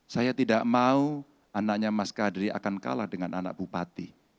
saya tidak mau anaknya mas kadri akan kalah dengan anak bupati